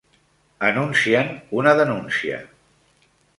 Anuncien una denúncia.